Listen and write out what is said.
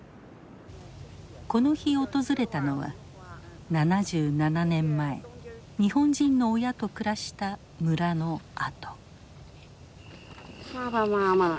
この日訪れたのは７７年前日本人の親と暮らした村のあと。